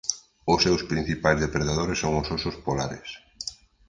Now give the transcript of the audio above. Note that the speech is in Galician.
Os seus principais depredadores son os osos polares.